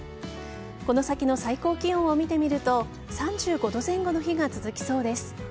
この先の最高気温を見てみると３５度前後の日が続きそうです。